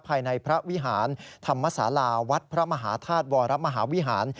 ภายในพระวิหารธรรมศาลาวัดพระมหาธาตุวรมหาวิหาร